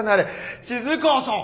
静川さん！